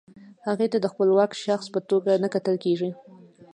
هغې ته د خپلواک شخص په توګه نه کتل کیږي.